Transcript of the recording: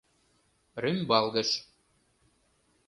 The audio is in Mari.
Рӱмбалгыш.